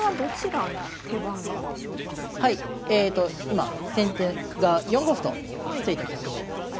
今先手が４五歩と突いた局面です。